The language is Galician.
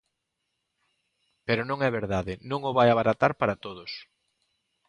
Pero non é verdade, non o vai abaratar para todos.